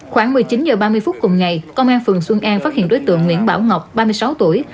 khoảng một mươi chín h ba mươi phút cùng ngày công an phường xuân an phát hiện đối tượng nguyễn bảo ngọc ba mươi sáu tuổi